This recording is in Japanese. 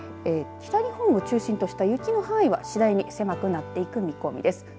北日本を中心とした雪の範囲は次第に狭くなっていく見込みです。